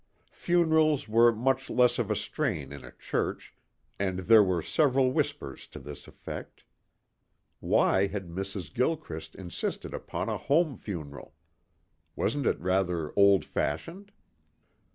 Funerals were much less of a strain in a church and there were several whispers to this effect. Why had Mrs. Gilchrist insisted upon a home funeral? Wasn't it rather old fashioned?